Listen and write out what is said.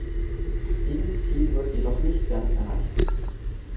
Dieses Ziel wird jedoch nicht ganz erreicht.